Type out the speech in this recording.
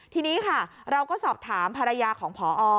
ทีนี้ค่ะเราก็สอบถามภรรยาของพอ